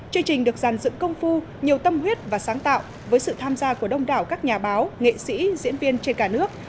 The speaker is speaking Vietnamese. chương trình được giàn dựng công phu nhiều tâm huyết và sáng tạo với sự tham gia của đông đảo các nhà báo nghệ sĩ diễn viên trên cả nước